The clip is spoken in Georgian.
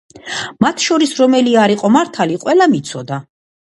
მათ შორის რომელი არ იყო მართალი, ყველამ იცოდა,